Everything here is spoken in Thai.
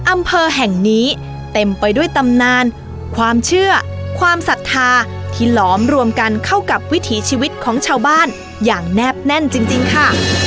อำเภอแห่งนี้เต็มไปด้วยตำนานความเชื่อความศรัทธาที่หลอมรวมกันเข้ากับวิถีชีวิตของชาวบ้านอย่างแนบแน่นจริงค่ะ